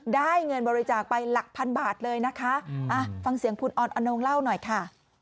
ได้เงินบริจาคไปหลักพันบาทเลยนะคะฟังเสียงคุณออนอนงเล่าหน่อยค่ะ